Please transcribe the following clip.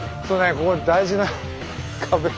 ここ大事な壁。